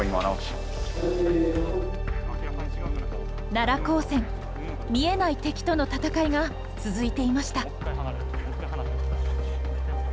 奈良高専見えない敵との闘いが続いていました。